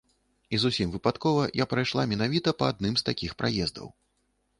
І зусім выпадкова я прайшла менавіта па адным з такіх праездаў.